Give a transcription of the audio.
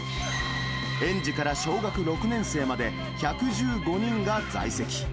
園児から小学６年生まで１１５人が在籍。